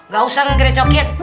gak usah ngerecokin